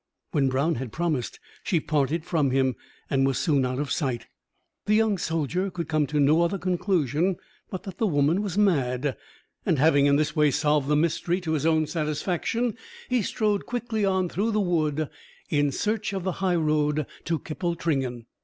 When Brown had promised, she parted from him, and was soon out of sight. The young soldier could come to no other conclusion but that the woman was mad; and having in this way solved the mystery to his own satisfaction, he strode quickly on through the wood in search of the highroad to Kippletringan.